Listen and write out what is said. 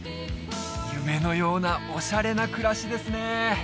夢のようなオシャレな暮らしですね